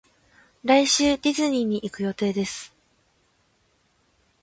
来週ディズニーに行く予定です